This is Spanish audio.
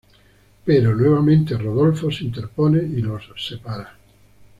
Pero nuevamente, Rodolfo se interpone y los separa.